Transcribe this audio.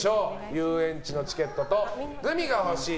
遊園地のチケットとグミが欲しい